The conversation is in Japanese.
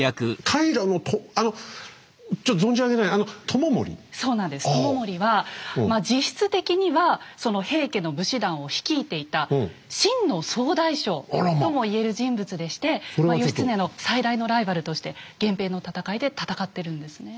知盛はまあ実質的にはその平家の武士団を率いていた真の総大将とも言える人物でして義経の最大のライバルとして源平の戦いで戦ってるんですね。